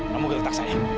kamu gilir taksanya